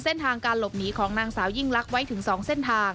เส้นทางการหลบหนีของนางสาวยิ่งลักษณ์ไว้ถึง๒เส้นทาง